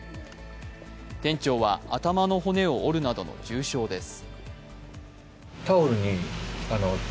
店長は頭の骨を折るなどの重傷です。